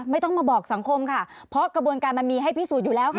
ไม่ต้องมาบอกสังคมค่ะเพราะกระบวนการมันมีให้พิสูจน์อยู่แล้วค่ะ